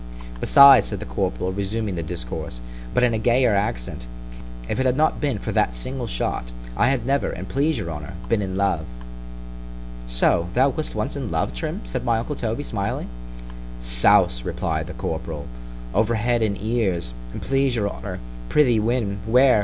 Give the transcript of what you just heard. Besides, said the corporal, resuming the discourse—but in a gayer accent——if it had not been for that single shot, I had never, 'an please your honour, been in love—— So, thou wast once in love, Trim! said my uncle Toby, smiling—— Souse! replied the corporal—over head and ears! an' please your honour. Prithee when? where?